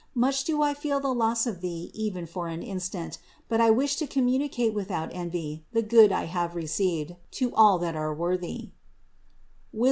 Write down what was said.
Much do I feel the loss of Thee even for one instant, but I wish to communicate without envy the good I have received, to all that are worthy" (Wis.